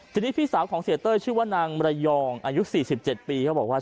ทีนี้พี่สาวของเสียเต้ยชื่อว่านางมรยองอายุ๔๗ปีเขาบอกว่า